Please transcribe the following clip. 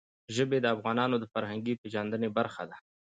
ژبې د افغانانو د فرهنګي پیژندنې برخه ده.